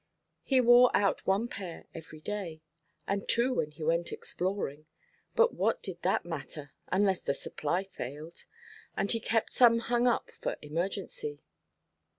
He wore out one pair every day, and two when he went exploring; but what did that matter, unless the supply failed? and he kept some hung up for emergency.